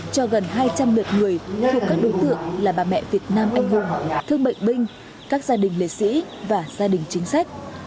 cho gần hai trăm linh lượt người thuộc các đối tượng là bà mẹ việt nam anh hùng thương bệnh binh các gia đình liệt sĩ và gia đình chính sách